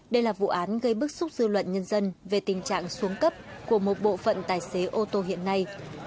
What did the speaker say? đây là vụ án gây bức xúc dư luận nhân dân về tình trạng xuống cấp của một bộ phận tài xế ô tô hiện nay